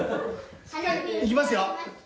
いきますよ！